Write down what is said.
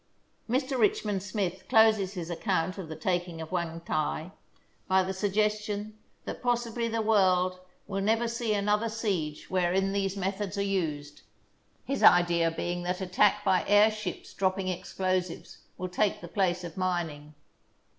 Mr. Richmond Smith closes his account of the taking of Wangtai by the suggestion that possibly the world will never see another siege wherein these methods are used, his idea being that attack by airships dropping explosives will take the place of mining.